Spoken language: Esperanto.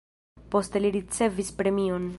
Poste li ricevis premion.